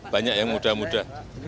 banyak yang muda muda